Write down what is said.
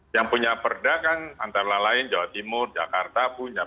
yang punya perda kan antara lain jawa timur jakarta punya